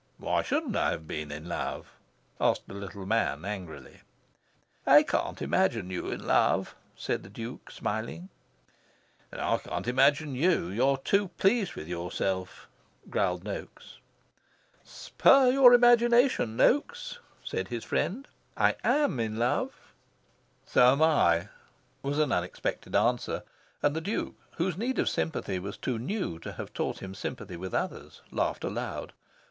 "Why shouldn't I have been in love?" asked the little man, angrily. "I can't imagine you in love," said the Duke, smiling. "And I can't imagine YOU. You're too pleased with yourself," growled Noaks. "Spur your imagination, Noaks," said his friend. "I AM in love." "So am I," was an unexpected answer, and the Duke (whose need of sympathy was too new to have taught him sympathy with others) laughed aloud.